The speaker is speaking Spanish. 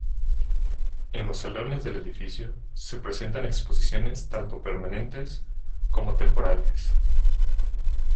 En los salones del edificio se presentan exposiciones tanto permanentes como temporales.